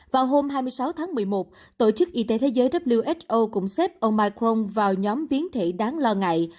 vào hôm hai mươi sáu tháng một mươi một tổ chức y tế thế giới who cũng xếp ông micron vào nhóm biến thể đáng lo ngại